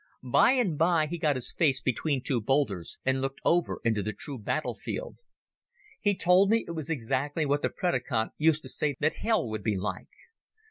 By and by he got his face between two boulders and looked over into the true battle field. He told me it was exactly what the predikant used to say that Hell would be like.